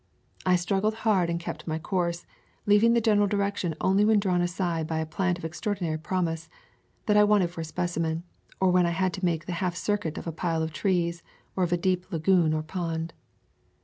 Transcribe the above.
I struggled hard and kept my course, leaving the general direction only when drawn aside by a plant of extraordinary promise, that I wanted for a specimen, or when I had to make the half circuit of a pile of trees, or of a deep lagoon or pond.